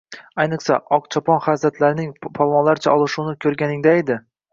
Ayniqsa, Oqchopon hazratlarining polvonlarcha olishuvini ko‘rganingdaydi!